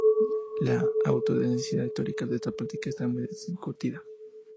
La autenticidad histórica de esta práctica está muy discutida.